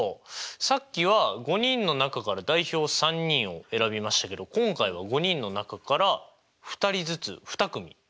さっきは５人の中から代表３人を選びましたけど今回は５人の中から２人ずつ２組。